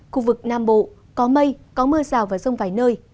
khu vực nam bộ có mây có mưa rào và rông vài nơi